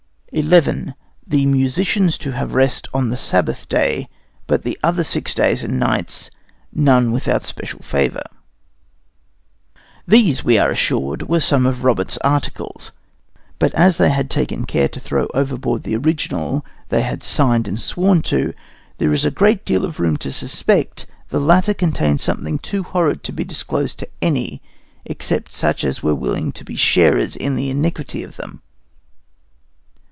XI The musicians to have rest on the Sabbath day, but the other six days and nights none without special favor. These, we are assured, were some of Roberts's articles, but as they had taken care to throw overboard the original they had signed and sworn to, there is a great deal of room to suspect the remainder contained something too horrid to be disclosed to any, except such as were willing to be sharers in the iniquity of them.